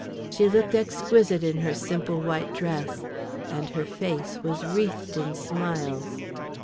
She looked exquisite in her simple white dress, and her face was wreathed in smiles.